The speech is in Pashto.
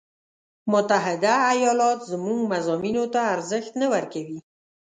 متحده ایالات زموږ مضامینو ته ارزش نه ورکوي.